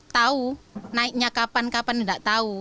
tahu naiknya kapan kapan tidak tahu